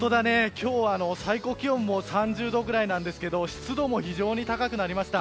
今日は、最高気温も３０度ぐらいなんですけど湿度も非常に高くなりました。